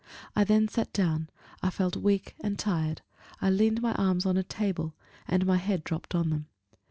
I then sat down: I felt weak and tired. I leaned my arms on a table, and my head dropped on them.